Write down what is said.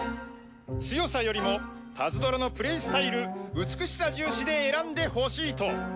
強さよりもパズドラのプレイスタイル美しさ重視で選んでほしいと。